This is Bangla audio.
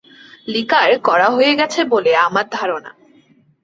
লিকার কড়া হয়ে গেছে বলে-আমার ধারণা।